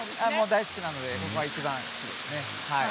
大好きなのでここがいちばんですね。